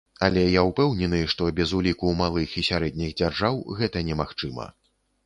Але я ўпэўнены, што без уліку малых і сярэдніх дзяржаў гэта немагчыма.